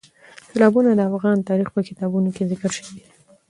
سیلابونه د افغان تاریخ په کتابونو کې ذکر شوي دي.